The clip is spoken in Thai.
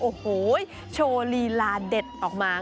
โอ้โหโชว์ลีลาเด็ดออกมา